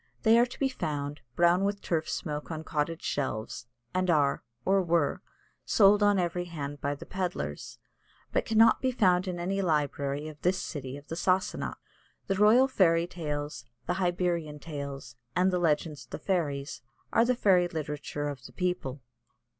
They are to be found brown with turf smoke on cottage shelves, and are, or were, sold on every hand by the pedlars, but cannot be found in any library of this city of the Sassanach. "The Royal Fairy Tales," "The Hibernian Tales," and "The Legends of the Fairies" are the fairy literature of the people.